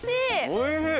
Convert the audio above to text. おいしい！